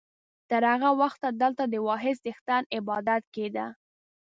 تر هغه وخته دلته د واحد څښتن عبادت کېده.